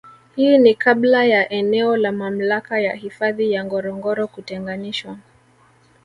Hii ni Kabla ya eneo la mamlaka ya hifadhi ya Ngorongoro kutenganishwa